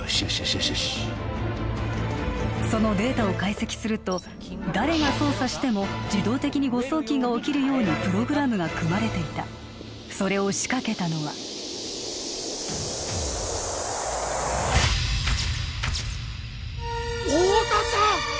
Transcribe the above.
よしよしそのデータを解析すると誰が操作しても自動的に誤送金が起きるようにプログラムが組まれていたそれを仕掛けたのは太田さん！